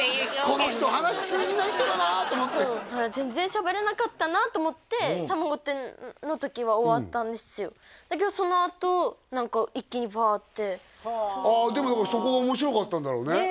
この人話通じない人だなと思って全然しゃべれなかったなと思って「さんま御殿！！」の時は終わったんですよだけどそのあと何か一気にバーッてああでもだからそこが面白かったんだろうね